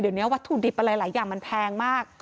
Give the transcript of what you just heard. เดี๋ยวนี้วัตถุดิบอะไรหลายอย่างมันแพงมาก